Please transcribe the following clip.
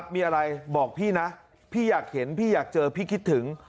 มีอะไรบอกพี่นะพี่อยากเห็นพี่อยากเจอพี่คิดถึง